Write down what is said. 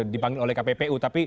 dipanggil oleh kppu